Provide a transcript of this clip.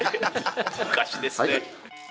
昔ですね。